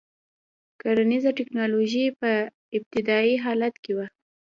کرنیزه ټکنالوژي په ابتدايي حالت کې وه.